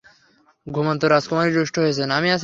ঘুমন্ত রাজকুমারী রুষ্ট হয়েছেন।